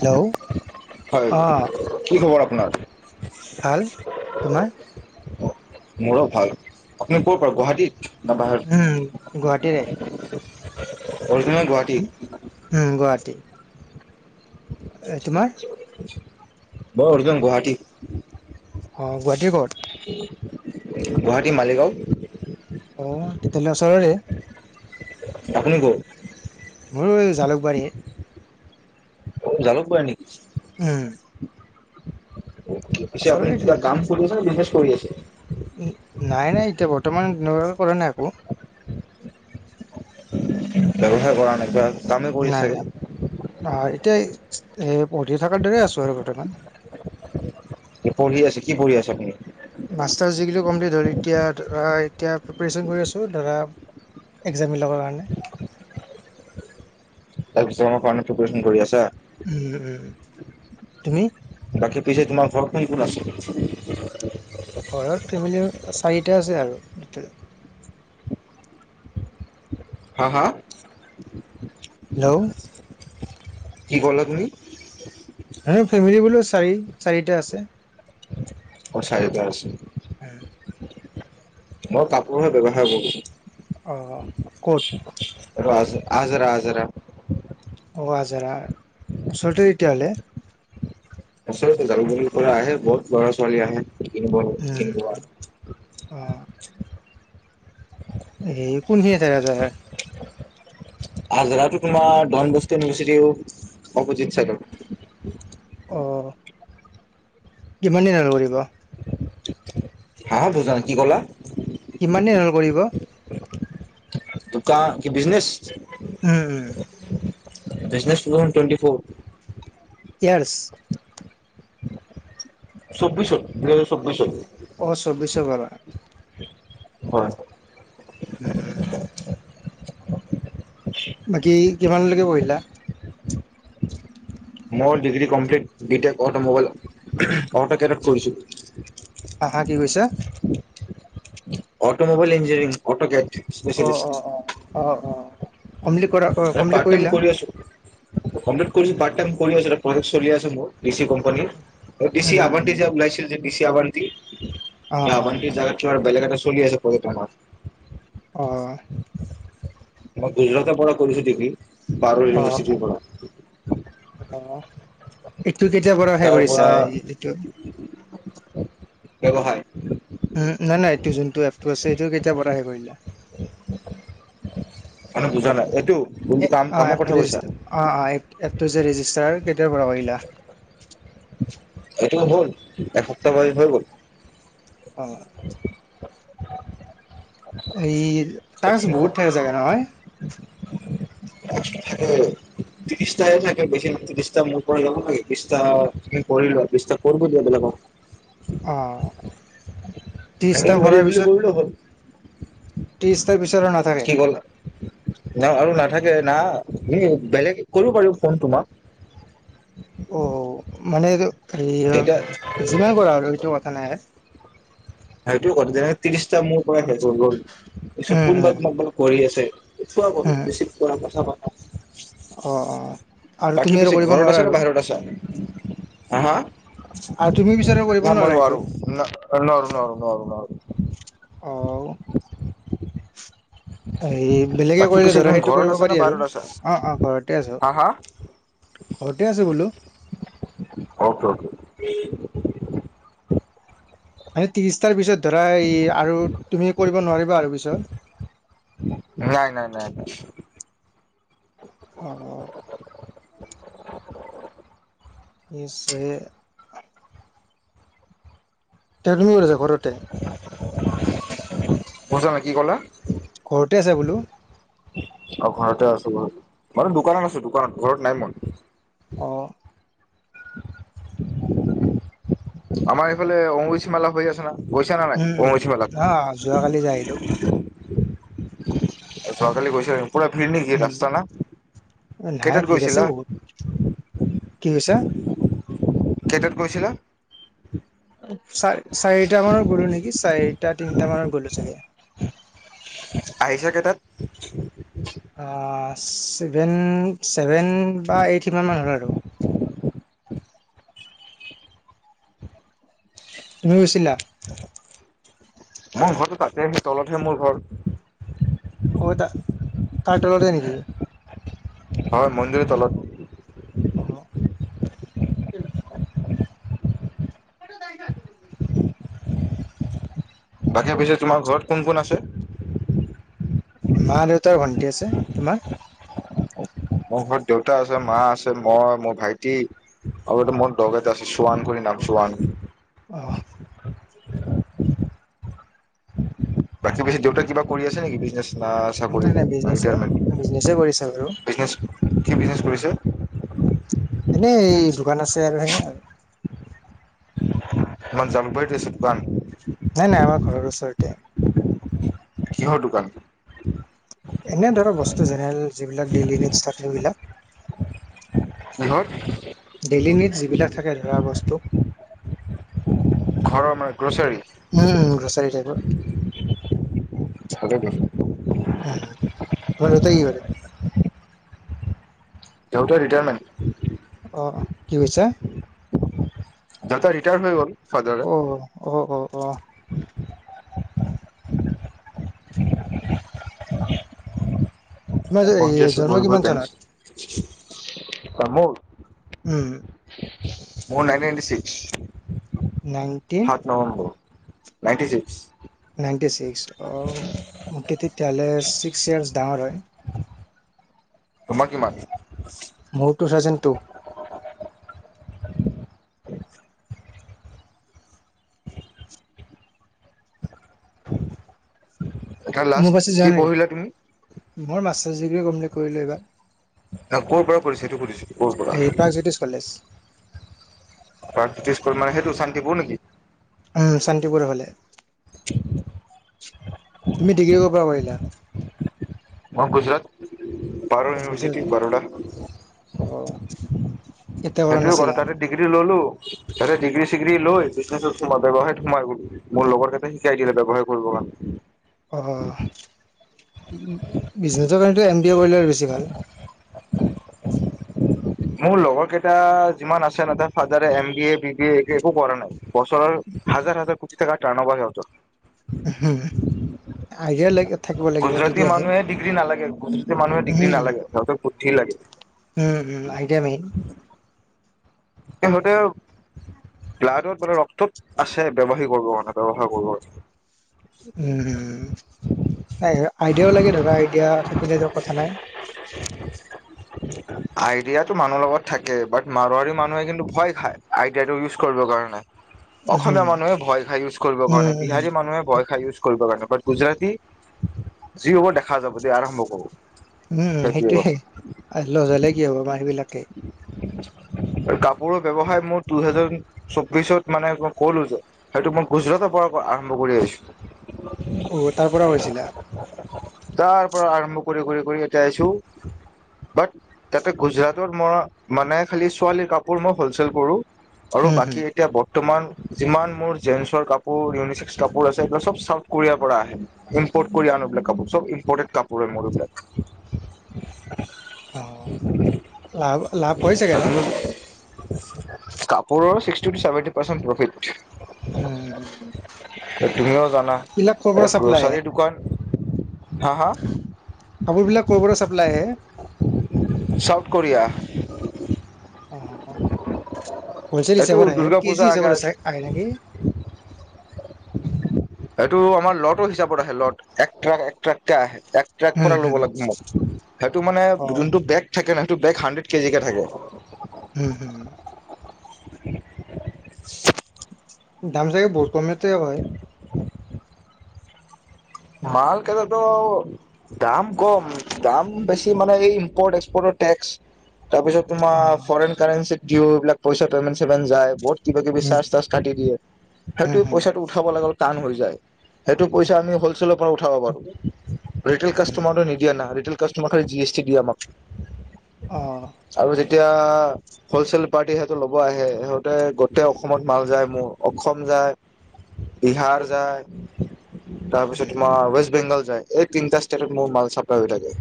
Hello হয়, অ কি খবৰ আপোনাৰ? ভাল। তোমাৰ? মোৰো ভাল। [unintelligible] ক'ত পৰা গুৱাহাটীত? না বাহিৰ উম, গুৱাহাটীৰে। অৰিজিনেল গুৱাহাটী উম, গুৱাহাটী। এ, তোমাৰ? মোৰ অৰ্জিনেল গুৱাহাটী। অ', গুৱাহাটীৰ ক'ত? গুৱাহাটী মালিগাঁও। অ', তেতিয়াহ'লে ওচৰৰে। আপুনি ক'ৰ? মইয়ো এই জালুকবাৰী। জালুকবাৰী নি উম। পিছে ওচৰৰে আপুনি কিবা তেতিয়াহ'লে কাম কৰি আছে নে, বিজনেচ কৰি আছে? উম নাই নাই এতিয়া বৰ্তমান এনেকুৱাকে কৰা নাই একো। ব্যৱসায় কৰা [unintelligible] আছে নাই, চাগে নাই অ', এতিয়াই এ, পঢ়ি থাকাৰ দৰে আছোঁ আৰু বৰ্তমান। পঢ়ি আছে? কি পঢ়ি আছে আপুনি? মাষ্টাৰ ডিগ্ৰীটো কমপ্লিটল হ'ল, এতিয়া ধৰা এতিয়া প্ৰিপ্ৰিয়েচন কৰি আছোঁ ধৰা একজাম বিলাকৰ কাৰণে। তাৰপিছত আমাৰ [unintelligible] কৰি আছা। উম উম তুমি? বাকী পিছে তোমাৰ ঘৰত কোন কোন আছে। ঘৰত ফেমিলি আৰু চাৰিটা আছে আৰু য়াতে। হা হা? হেল্ল'! কি ক'লা তুমি? এনে ফেমিলি বোলো চাৰি চাৰিটা আছে। অ', চাৰিটা আছে। উম। মই কাপোৰহে ব্যৱহাৰ কৰো অ' ক'ত? ৰজ আজৰা আজৰা অ' আজাৰা অচৰতে তেতিয়াহ'লে। আচলতে জালুকবাৰিৰ পৰা আহে বহুত ল'ৰা- ছোৱালী আহে কিনিব উম, কিনিব। [unintelligible] এহেই কোন খিনিত আছে আজাৰাৰ? আজৰাতো তোমাৰ ডন বস্কো ইউনিভাৰ্চিটিৰ অপজিত চাইডত। অ'। কিমান দিন হ'ল কৰিব? হা, বুজা নায় কি কলা? কিমান দিন হল কৰিব? দুকাণ কি বিজনেছ? উম, উম, বিজনেছ তোমাৰ টুয়েটি ফৰ। ইয়াৰচ? চৌববিশত অ', চৈবিশৰ পৰা। হয়। উম। বাকী কিমানলৈকে পঢ়িলা? মই ডিগ্ৰী কমপ্লিট বি টেক অটমোবাইলট [unintelligible] কৰিছোঁ। হা, হা কি কৈছা? অটমোবাইল ইঞ্জিনিয়ৰিং অট অ', অ', অ', কেট অ', অ', স্পেশালিস্ট। কমপ্লিট কৰা অ' কমপ্লিট কৰিলা? কমপ্লিট কৰি পাৰ্ত টাইম কৰি আছিলো [unintelligible] চলি আছে মোৰ পি চি কোম্পানিৰ। উম, ডিচি উম, আভণ্টি যে ওলাইছিল যে ডি আৱণ্টি অ', অ', আভণ্টি জাগাত বেলেগ এটা চলি আছে। [unintelligible] অ'। মই গুজৰাটৰ পৰা কৰিছো ডিগ্ৰী পাৰুল অ', ইউনিভাৰ্চিটিৰ পৰা। তোৰ কেতিয়া পঢ়া সে তাৰ পৰা কৰিছা এইটো ব্যৱহাৰ। উ, নাই নাই এইটো যোনটো এপটো আছে সেটো কেতিয়াৰ পৰা হে কৰিলা? মানে বুজা নাই এইটো কোনটো কাম [unintelligible] কামৰ কথা এপটো কৈছা যে ৰেজিষ্টাৰ কেটিয়াৰ পৰা কৰিলা? এইটো হ'ল এসপ্তাহ কৰি হৈ গ'ল। অ'। এই তাৰছ বহুত ঠাইৰ জেগা নহয়? [unintelligible] ত্ৰিছটাই থাকে বেছি ত্ৰিছটা মোৰ পৰা যাব লাগে ত্ৰিছটা তুমি কৰিলোৱা ত্ৰিছটা কৰ কৰিব দিবা বেলেগক [unintelligible] অ সেনেকে ত্ৰিছটা মিলি কৰাৰ জুলি পিছত কৰিলেও হ'ল [unintelligible] [unintelligible] না বেলেগ কৰিব পাৰো ফোন তোমাক অ মানে এই এতিয়া যিমান কৰা আৰুল এইটো কথা নাই হেয়টো ক তেনেক ত্ৰিশটা মোৰ পৰা শেষ হৈ গ'ল তাৰপিছত উম কোনোবা উম তোমাক কৰি আছে। খোৱা কৰ উম বেছি খোৱা কথা পাত অ অ আৰু বাকী তুমি আৰু পিছে কৰিব ঘৰত নোৱাৰা আছা ন আৰু বাহিৰত আছা হা হা আৰু তুমি বিচাৰ কৰিব ন নোৱাৰা মাৰ সেইটো আৰুাৰ ন ন আৰু নাৰ নোৱাৰাৰ নোৱাৰ [unintelligible] এই বেলেগে বাকী কৰিলে পিছে ধৰা তুমি সেইটো ঘৰত কৰিব আছা নে পাৰি আৰু বাহিৰত আছা অ অ ঘৰতে আছো হা হা ঘৰতে আছে বোলো [unintelligible] মানে ত্ৰিশটাৰ পিছত ধৰা এই আৰু তুমি কৰিব নোৱাৰিবা আৰু পিছত নাই নাই নাই ন আৰু ছে তে তুমি কথ আছা ঘৰতে বুজাবাই কি ক'লা ঘৰতে [unintelligible] অ ঘৰতে আছো ঘ মইো দোকানত আছো দোকানত ঘৰত নাই মই অ আমাৰ এইফালে অম্ববাচি মেলা হৈ আছে ন উম উম অ যোৱাকালি যাই আহিলো [unintelligible] চোৱাকালি গৈছো আহিম পূৰা ভিৰ নেকি উম ৰাস্তা না নাই কেইটাত ভিৰ আছে গৈছিলা বহুত কি কছা কেইটাত কৈছিলা চ চাৰিটা মানত গ'লো নেকি চাৰিটা তিনিটা মানত গ'লো চাগে আহিছ কেইটাত চেভেন [unintelligible] [unintelligible] মোৰ ঘৰটো তাতে আহি তলতহে মোৰ ঘৰ অ তা তলতে নেকি হয় মন্দুৰী তলত অ [unintelligible] তাকে পিছেো তোমাৰ ঘৰত কোন কোন আছে মা দেউতাৰ ভণ্টি আছে তোমাৰ মোৰ ঘৰত দেউতা আছে মা আছে মই মোৰ ভাইটি অ আৰু এ মোৰ দগ এটা আছে চোৱান কৰি নাম চোৱান ৱাহ বাকী পিছে দেউতাই কিবা কৰি আছে নেকি বিজনেছ না চাকৰি নাই নাই ন বিজনেছে ৰিটায়াৰমেণ্ট বিজনেছে কৰিছা বাৰু বিজনেছ কি বিজনেছ কৰিছে [unintelligible] [unintelligible] [unintelligible] নাই - নাই আমাৰ ঘৰৰ ওচৰতে। কিহৰ দোকান? এনে ধৰ বস্তু জেনেৰেল যিবিলাক ডেইলিটছ থাকে সেইবিলাক। কি হ'ল? ডেইলি নিড যিবিলাক থাকে ধৰা বস্তু। ঘ মানে গ্ৰছাৰী উম উম গ্ৰচাৰী টাইপৰ ভাল দ। উ মতে কৰে দেউতাৰ ৰিটায়াৰমেণ্ট। অ কি কৈছে? দেউতা ৰিটায়াৰ হৈ গ'ল। ফাদাৰে অ- অ - অ- অ। তোমাৰ বহি এই আছো জন্ম বহি বহি কিমান পেনচ চনত তামোল। উম, মোৰ নাইন নাইনটি ছিক্স। নাইনন্টিন। সাত November ninety six. Ninety six অ টোটেল লেচ ছিক্স ইয়াৰছ ডাঙৰ হয়। তোমাৰ কিমান? মৰটো চাচোন তু এটা মোৰ লাষ্ট বাছি কি যোৱা নাই পঢ়িলা তুমি? মোৰ মাষ্টাৰছ ডিগ্ৰী কৰিম বুলি কৰিলো এইবাৰ। ক'ৰ পৰা কৰিছা সেইটো সুধিছো ক'ৰ পৰা এই প্ৰাগজ্যোতিষ কলেজ। প্ৰিছ কৰি মানে সেইটো শান্তি পূৰ নেকি? উম, শান্তিপুৰ হলে। তুমি ডিগ্ৰী কৰ পৰা কৰিলা? মই গুজৰাত অ বাৰোদা গুজৰাট ইউনিভৰ্চিটি বাৰোদা। অ এতিয়া কৰা সেইটো কৰ নাছিলা তাতে ডিগ্ৰী ললো তাতে ডিগ্ৰী ললো। লৈজনেত সো ব্যৱসায়ৰ সোমাই গ মোৰ লগৰ কেইতে শিকাই দিলে ব্যয়ৱসায় কৰিবৰ কাৰণে। অ বিজনেচ। টো এম বি এ কৰিলে বেছি ভাল। মোৰ লগৰ কেইটা যিমান আছে ন ত ফাদাৰে M B A B B A এক একো কৰা নাই বছৰৰ হাজাৰ হাজাৰ কুটি টকা টান হ'ব সিহঁতৰ। আইডিয়া লাগ থাকিব লাগিব গুজৰাটী তেতিয়াহে মানুহে ডিগ্ৰী নালাগে গুজৰাটী মানুহে ডিগ্ৰী উম নালাগে সিহঁতৰ বুদ্ধি লাগে। উম উম নাই দিয়া মোক। এই হঁতেও। ল্লাইটোত মানে ৰক্তত আছে ব্যৱসায়ী কৰিব মানে ব্যৱহাৰ কৰিব। উম। আইডিয়াও লাগে ধৰা আইডিয়া থাকিলে যে কথা নাই। [inaudible] আইডিয়াটো মানুহৰ লগত থাকে বাট মাৰোৱাৰোৱাৰী মানুহে কিন্তু ভয় খায় আইডিয়াটো ইউজ কৰিবৰ কাৰণে। অসমীয়া উম মানুহে ভয় খাই ইউজ কৰিবৰ কাৰণে উম উম বিহাৰী মানুহে ভয় খাই ইউজ কৰিবৰ কাৰণে। গুজৰাটী যি হ'ব দেখা যাব দ আৰম্ভ কৰো। উম, সেইটোয়ে লজ হলে কি হ'ব আমাৰ সেইবিলাকে। কাপোৰৰ ব্যৱসায় মই দুইহেজাৰ চৌববিশত মানে মই ক'লো যে সেইটো মই গুজৰাটৰ পৰা। বগৰী আছে। অ, তাৰ পৰা গৈছিলা। তাৰ পৰা আৰম্ভ কৰি কৰি কৰি এতিয়া আছো। বাট তাতে গুজৰাটৰ মৰা মানে খালি ছোৱালীৰ কাপ কাপোৰ মই হ'লচেইল কৰোঁ। আৰু উম বাকী হম এতিয়া বৰ্তমান যিমান মোৰ জেনছৰ কাপোৰ, ইউনিচেক্স কাপোৰ আছে, এইবিলাক চব চাউথ কোৰিয়াৰ পৰা আহে। ইম্পৰ্ট কৰি আনো এইবিলাক কাপোৰ। চব ইম্পৰ্টেড কাপোৰ মোৰ এইবিলাক। অহ, লাভ লাভ হয় চাগে ন? এইবিলাক কাপোৰৰ sixty rupees, seventy percent profit. উম তুমিও জানা, বিলাক কৰ পৰা এই চাপ্লাই আহে গ্ৰচাৰী দোকান। হা, হা, কাপোৰ বিলাক কৰ পৰা চাপ্লাই আহে চাউথ কোৰিয়া? [unintelligible] অ', হলচেল এইটো হিচাপত আহে, দুৰ্গা কেজি পূজা হিচাপত আগে [unintelligible] আহে নেকি? এইটো আমাৰ, লৰ্টৰ হিচাপত আহে। লৰ্ট একট্ৰাক এক, ট্ৰাককে আহে। এক ট্ৰেক উম পৰা ল'ব হম লাগিব মোক। সেইটো মানে অ যোনটো বেগ থাকে না টো বেগ হাণ্ড্ৰেড কেজিকে থাকে। হো, হো। [unintelligible] দাম চাগে, বহুত কমতে হয়? মাল কেইটাতো দাম কম, দাম বেছি মানে এই ইম্পৰ্ট এক্সপৰ্টত। টেক্স। তাৰপিছত তোমাৰ অ', ফৰেন কাৰেঞ্চিত দিওঁ এইবিলাক পইচা পেমেন্ট-চেমেণ্ট যায়। বত কিবা-কিবি উম, চাৰ্জ-তাৰ্জ কাটি দিয়ে। হুম, সেইটো হুম। পইচাটো উঠাব লাগা টান হৈ যায়। সেইটো পইচা আমি হ'লচেইলৰ পৰা উঠাব পাৰোঁ। ৰিটেইল কাষ্টমাৰটোৱে নিদিয়ে না। ৰিটেইল কাষ্টমাৰ খালি, জি এছটি দিয়ে আমাক। অ'। এতিয়া হলচেল পাৰ্টি সিহটে ল'ব আহে, সিহঁতে গোটেই অসমত মাল যায়, মোৰ অসম। যায়, বিহাৰ যায়। একো নাই। অ', ৱেষ্ট বেংগল যায়। এই তিনিটা ষ্টেটত মোৰ মাল চাপ্লাই হৈ থাকে।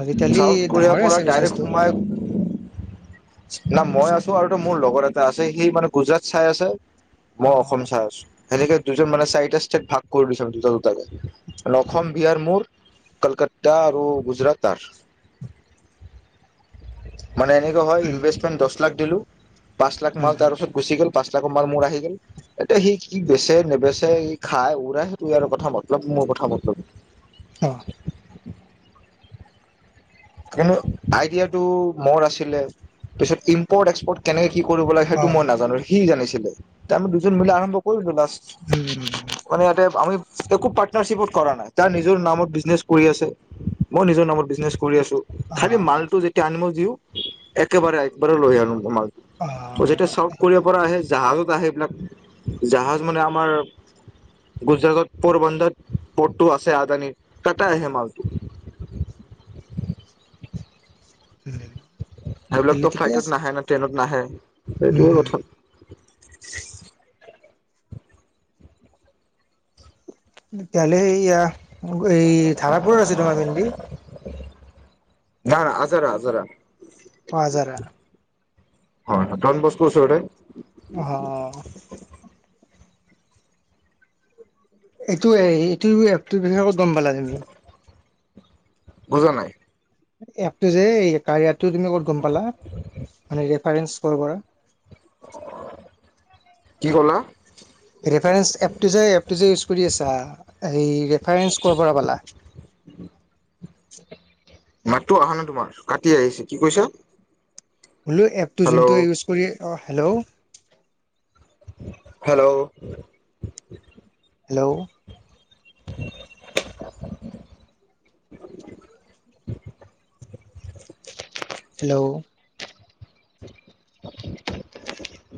আজিকালি চাউথ কোৰিয়াৰ ডাঙৰে পৰা আছে ডাইৰেক্ট বিজনেচটো। সোমাই না। মই আছো আৰুতো মোৰ লগৰ এটা আছে। সি মানে গুজৰাট চাই আছে। মই অসম অ', চাই আছোঁ। এনেকে দুজন মানে চাৰিটা ষ্টেট ভাগ কৰিছে দুজন। নখম উম, বিয়াৰ মোৰ কলকাতা আৰু গুজৰাট আৰ মানে এনেকুৱা হয় ইনভেষ্টমেন্ট দহ লাখ দিলো পাঁচ লাখ হুম, মাল তাৰ হুম। পিছত গুচি গ'ল। পাঁচ লাখৰ মাল মোৰ আহি গেল। এতিয়া সি কি বেচে, নেবেচে, সি খাই। তাৰপিছত তুই আৰু কথা মতলব মোৰ কথা মতলব অহ। কিন্তু আইডিয়াটো মোৰ আছিলে। পিছত ইম্পৰ্ট এক্সপৰ্ট কেনে কি কৰিব লাগে, সেইটো মই অ', নাজানো। সি জানিছিলে। আমি দুজন মিলি আৰম্ভ কৰি দিলোঁ লাষ্ট। উম, মানে ইয়াতে আমি একো পাৰ্টনাৰশ্বিপত কৰা নাই। তাৰ নিজৰ নামত বিজনেছ কৰি আছে। মই নিজৰ নামত বিজনেছ কৰি আছ খালি অ', মালটো যেতিয়া আনিব যিও একেবাৰে একবাৰে লৈ আনো মাল। যেতিয়া, অ', চাউথ কোৰিয়াৰ পৰা আহে। জাহাজত আহে সেবিলাক। জাহাজ মানে আমাৰ গুজৰাটত পৰবন্দৰ প'ৰ্টটো আছে, আদানীৰ তাতে আহে মালটো। [inaudible] উম। সেইবিলাকতো ফ্লাইটত নাহে না ট্ৰেইনত নাহে। উম, সেইটোৱে হুম, কথা। [inaudible] কাইলে এয়া, এই ধাৰাপুৰত আছে তোমাৰ ভেণ্ডি। না না আজাৰা আজাৰা। অ', আজাৰা। হয়, ডন বস্কোৰ ওচৰতে। অহ অ'। এইটোৱে এইটো এপটো বিষয়ে ক'ত গম পালা তুমি? বুজা নাই। এপটো যে, এই কাৰয়াটো তুমি ক'ত গম পালা? মানে এপ ফাৰেঞ্চ ক'ৰ পৰা? কি ক'লা? ৰেফাৰেন্স এপটো যে এপটো যে ইউজ কৰি আছা হেই ৰেফাৰেঞ্চ ক'ৰ পৰা পালা? উম, মাততো অহা নাই তোমাৰ কাটি আহিছে কি কৈছা। বোলো এপটো হেল্ল' যোনটো ইউজ কৰি অ, হেল্ল', হেল্ল', হেল্ল', [inaudible] [inaudible] হেল্ল' [inaudible]